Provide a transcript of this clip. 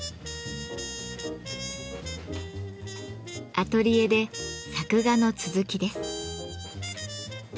アトリエで作画の続きです。